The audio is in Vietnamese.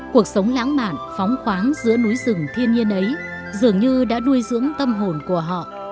cuộc sống lãng mạn phóng khoáng giữa núi rừng thiên nhiên ấy dường như đã nuôi dưỡng tâm hồn của họ